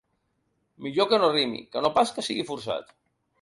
Millor que no rimi, que no pas que sigui forçat .